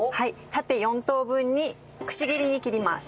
縦４等分にくし切りに切ります。